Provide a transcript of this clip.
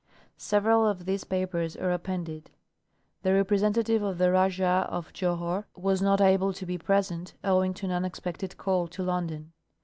Several of these papers are appended. The representative of the Rajah of Johore was not able to be present, owing to an unexpected call to I^ondon.